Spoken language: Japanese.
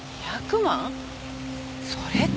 それって。